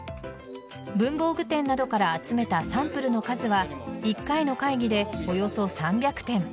文房具店などから集めたサンプルの数は１回の会議でおよそ３００点。